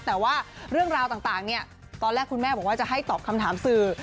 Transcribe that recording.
แต่ว่าเรื่องราวต่างเนี่ยตอนแรกคุณแม่บอกว่าจะให้ตอบคำถามสื่อ